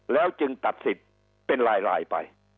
แล้วจึงตัดสิทธิ์เป็นลายไป